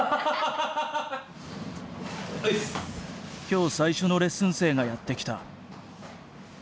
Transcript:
今日最初のレッスン生がやって来た。